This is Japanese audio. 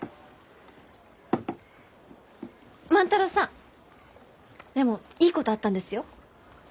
万太郎さんでもいいことあったんですよ。